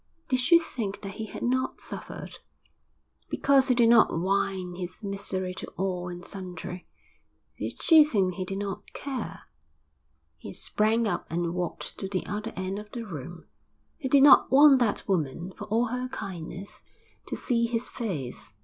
Did she think that he had not suffered? Because he did not whine his misery to all and sundry, did she think he did not care? He sprang up and walked to the other end of the room. He did not want that woman, for all her kindness, to see his face.